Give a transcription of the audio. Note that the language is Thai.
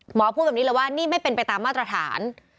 หมอพูดแบบนี้เลยว่านี่ไม่เป็นไปตามมาตรฐาน